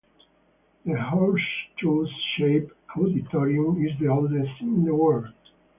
The horseshoe-shaped auditorium is the oldest in the world.